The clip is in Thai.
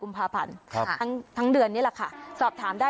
อืม